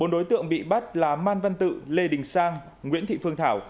bốn đối tượng bị bắt là man văn tự lê đình sang nguyễn thị phương thảo